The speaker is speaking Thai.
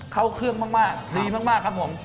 เข้าเครื่องมากดีมากครับผม